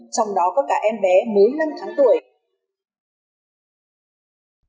trong đó có cả em bé mới năm tháng tuổi